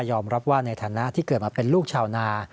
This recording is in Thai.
อมรับว่าในฐานะที่เกิดมาเป็นลูกชาวนา